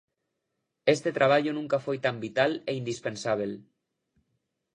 Este traballo nunca foi tan vital e indispensábel.